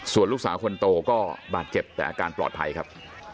ส่วนลูกสาวคนโตก็บาดเจ็บแต่อาการปลอดภัยครับ